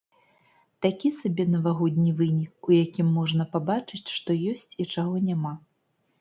Такі сабе навагодні вынік, у якім можна пабачыць, што ёсць і чаго няма.